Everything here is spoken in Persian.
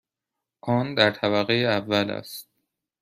آن در طبقه اول است.